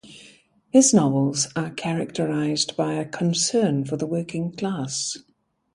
His novels are characterized by a concern for the working class.